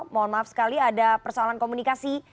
mohon maaf sekali ada persoalan komunikasi